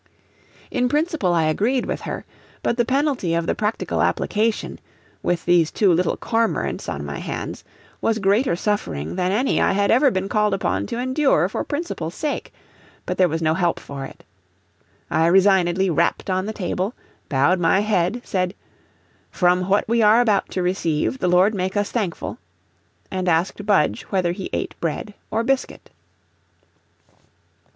In principle I agreed with her, but the penalty of the practical application, with these two little cormorants on my hands, was greater suffering than any I had ever been called upon to endure for principle's sake; but there was no help for it. I resignedly rapped on the table, bowed my head, said, "From what we are about to receive, the Lord make us thankful," and asked Budge whether he ate bread or biscuit.